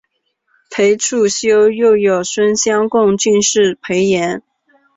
裴处休又有孙乡贡进士裴岩。